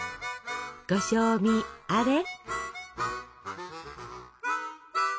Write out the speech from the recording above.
ご賞味あれ。